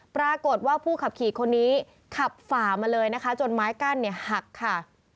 ปรากฏว่าผู้ขับขี่คนนี้ขับฝ่ามาเลยนะคะจนไม้กั้นเนี่ยหักค่ะ